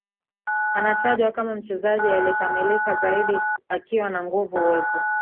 Anatajwa kama mchezaji aliyekamilika zaidi akiwa na nguvu uwezo